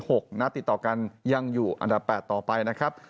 หกนัดติดต่อกันยังอยู่อันดับแปดต่อไปนะครับ